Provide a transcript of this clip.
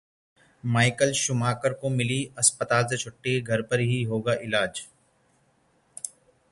Michael Schumacher को मिली अस्पताल से छुट्टी, घर पर ही होगा इलाज